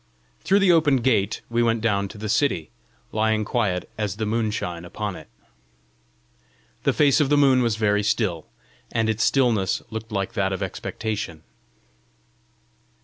Through the open gate we went down to the city, lying quiet as the moonshine upon it. The face of the moon was very still, and its stillness looked like that of expectation.